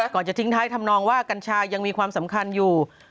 จะทิ้งท้ายทำนองว่ากัญชายังมีความสำคัญอยู่